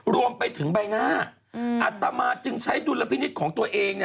รวมไปถึงใบหน้าอัตมาจึงใช้ดุลพินิษฐ์ของตัวเอง